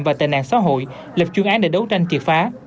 và tệ nạn xã hội lập chuyên án để đấu tranh triệt phá